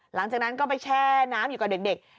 หลังจากนั้นก็ไปแช่น้ำอยู่กับเด็ก